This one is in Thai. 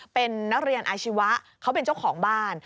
เป็นนักเรียนอาชีวะเขาเป็นเจ้าของบ้าน